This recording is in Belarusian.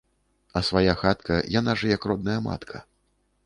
А свая хатка яна ж як родная матка.